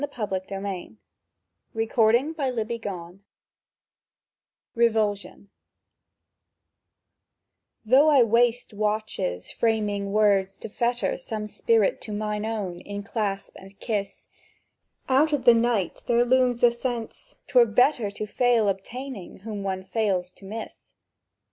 [Picture: Sketch of two people in a church] REVULSION THOUGH I waste watches framing words to fetter Some spirit to mine own in clasp and kiss, Out of the night there looms a sense 'twere better To fail obtaining whom one fails to miss.